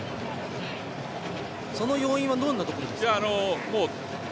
その要因はどんなところですか？